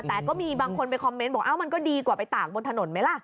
แต่ก็มีบางคนไปคอมเมนต์บอกมันก็ดีกว่าไปตากบนถนนไหมล่ะ